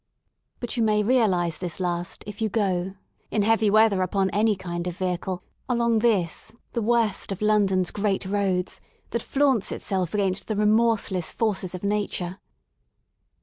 But you may realise this last if you go, in heavy weather upon any kind of vehicle^ along this the worst of London's great roads that flaunts itself against the remorseless forces of nature.